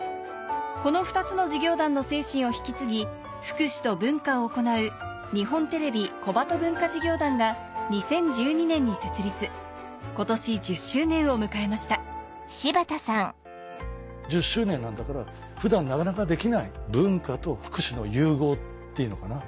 この２つの事業団の精神を引き継ぎ福祉と文化を行う日本テレビ小鳩文化事業団が２０１２年に設立今年１０周年を迎えました１０周年なんだから普段なかなかできない文化と福祉の融合っていうのかな。